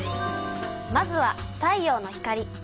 まずは太陽の光。